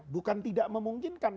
bukan tidak memungkinkan